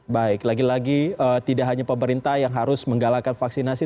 baik lagi lagi tidak hanya pemerintah yang harus menggalakkan vaksinasi